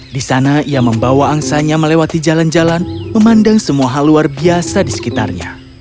di sana ia membawa angsanya melewati jalan jalan memandang semua hal luar biasa di sekitarnya